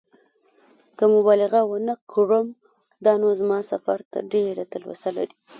که مبالغه ونه کړم دا نو زما سفر ته ډېره تلوسه لري.